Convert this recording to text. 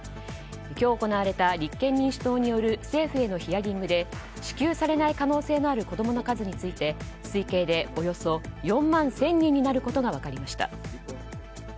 今日、行われた立憲民主党による政府へのヒアリングで支給されない可能性のある子供の数について推計でおよそ４万１０００人になることが分かりました。